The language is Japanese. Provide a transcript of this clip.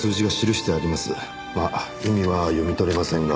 まあ意味は読み取れませんが。